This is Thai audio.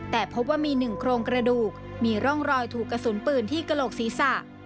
แต่พบว่ามี๑โครงกระดูกมีร่องรอยถูกกระสุนปืนที่กระโหลกศีรษะ